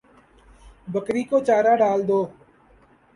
بکری کو چارہ ڈال دو